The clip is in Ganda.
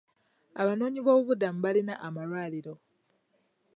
Abanoonyi b'obubuddamu balina amalwaliro